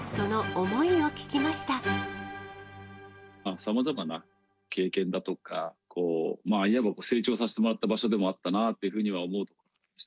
さまざまな経験だとか、いわば、成長させてもらった場所でもあったなぁというふうには思いました。